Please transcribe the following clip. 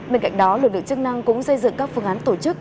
bên cạnh đó lực lượng chức năng cũng xây dựng các phương án tổ chức